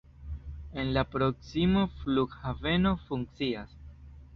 En la proksimo flughaveno funkcias.